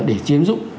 để chiếm giúp